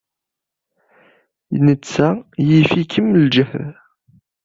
Netta yif-ikem ljehd.